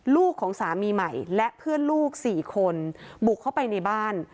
ลูกของสามีใหม่และเพื่อนลูก๔คนบุกเข้าไปในบ้าน